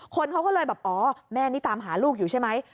คนเขาก็เลยแบบอ๋อแม่นี่ตามหาลูกอยู่ใช่ไหม